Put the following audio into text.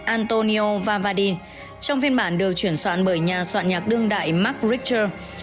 antonio vavadin trong phiên bản được chuyển soạn bởi nhà soạn nhạc đương đại mark richter